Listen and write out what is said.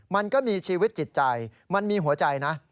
มันก็มีชีวิตจิตใจมันมีหัวใจนะ